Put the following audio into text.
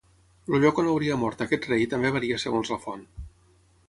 El lloc on hauria mort aquest rei també varia segons la font.